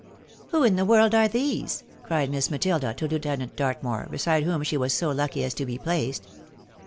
" Who in the world are these ?" cried Miss Matilda to Lieu tenant Dartmoor, beside whom she was so lucky as to be placed.